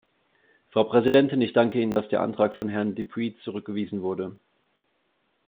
Frau Präsidentin, ich danke Ihnen, dass der Antrag von Herrn Dupuis zurückgewiesen wurde.